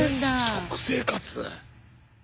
食生活！？